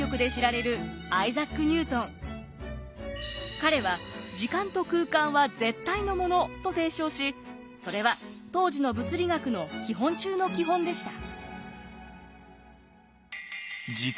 彼は時間と空間は絶対のものと提唱しそれは当時の物理学の基本中の基本でした。